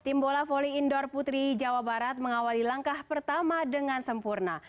tim bola volley indoor putri jawa barat mengawali langkah pertama dengan sempurna